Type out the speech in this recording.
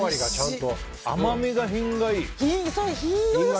甘みの品がいい！